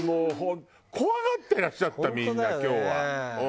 怖がってらっしゃったみんな今日は。